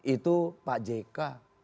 itu pak jk